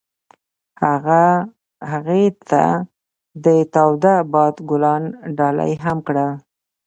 هغه هغې ته د تاوده باد ګلان ډالۍ هم کړل.